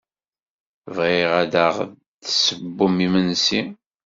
Bɣiɣ ad aɣ-d-tessewwem imensi.